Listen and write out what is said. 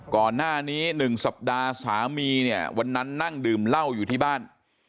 ก่อนหน้านี้๑สัปดาห์สามีเนี่ยวันนั้นนั่งดื่มเหล้าอยู่ที่บ้าน